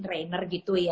ya lebih nyaman gitu ya